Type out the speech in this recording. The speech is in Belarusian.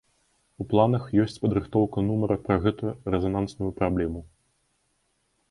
У планах ёсць падрыхтоўка нумара пра гэту рэзанансную праблему.